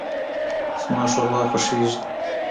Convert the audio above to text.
زما ښوروا خوښیږي.